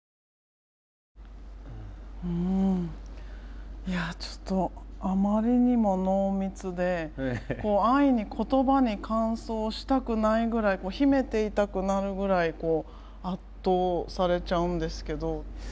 うんいやちょっとあまりにも濃密で安易に言葉に換装したくないぐらい秘めていたくなるぐらい圧倒されちゃうんですけど。